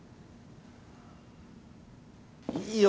いいよ